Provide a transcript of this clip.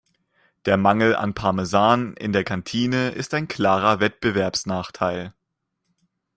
Der Mangel an Parmesan in der Kantine ist ein klarer Wettbewerbsnachteil.